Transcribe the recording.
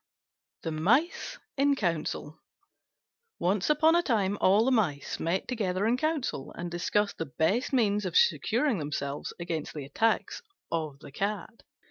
THE MICE IN COUNCIL Once upon a time all the Mice met together in Council, and discussed the best means of securing themselves against the attacks of the cat.